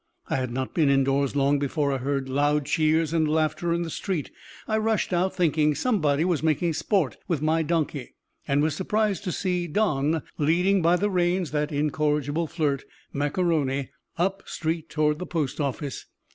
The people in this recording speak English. I had not been indoors long before I heard loud cheers and laughter in the street. I rushed out, thinking somebody was making sport with my donkey, and was surprised to see Don leading by the reins that incorrigible flirt, Mac A'Rony, up street toward the post office.